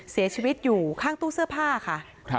เสียชีวิตอยู่ข้างตู้เสื้อผ้าค่ะ